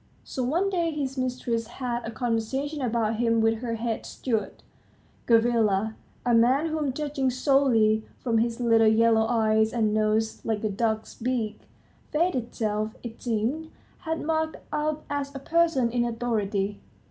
So one day his mistress had a conversation about him with her head steward, Gavrila, a man whom, judging solely from his little yellow eyes and nose like a duck's beak, fate itself, it seemed, had marked out as a person in authority.